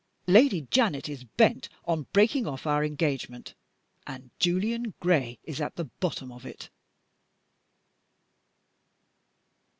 Lady Janet is bent on breaking off our engagement and Julian Gray is at the bottom of it."